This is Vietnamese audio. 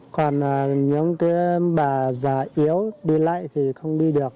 còn những cái bà già yếu đi lại thì không đi được